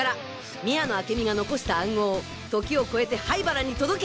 宮野明美が残した暗号時を超えて灰原に届け！